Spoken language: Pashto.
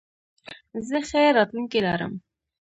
زه ښه راتلونکې لرم.